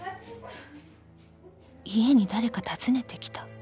［家に誰か訪ねてきた？］